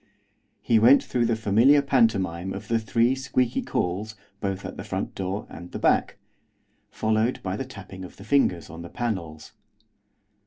He went through the familiar pantomime of the three squeaky calls both at the front door and the back, followed by the tapping of the fingers on the panels.